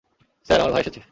Sir, আমার ভাই এসেছে।